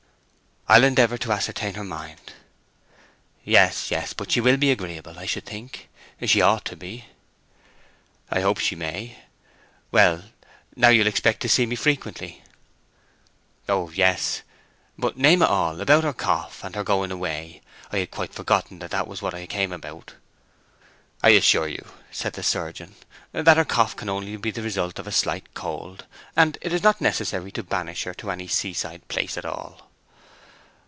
"I'll endeavor to ascertain her mind." "Yes, yes. But she will be agreeable, I should think. She ought to be." "I hope she may. Well, now you'll expect to see me frequently." "Oh yes. But, name it all—about her cough, and her going away. I had quite forgot that that was what I came about." "I assure you," said the surgeon, "that her cough can only be the result of a slight cold, and it is not necessary to banish her to any seaside place at all."